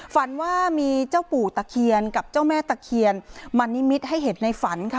ฝันว่ามีเจ้าปู่ตะเคียนกับเจ้าแม่ตะเคียนมานิมิตให้เห็นในฝันค่ะ